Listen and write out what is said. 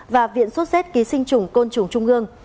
và viện xuất xét ký sinh trùng côn trùng trung ương